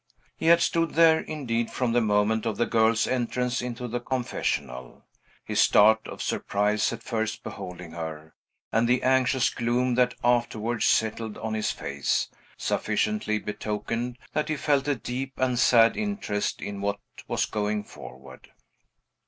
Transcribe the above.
He had stood there, indeed, from the moment of the girl's entrance into the confessional. His start of surprise, at first beholding her, and the anxious gloom that afterwards settled on his face, sufficiently betokened that he felt a deep and sad interest in what was going forward.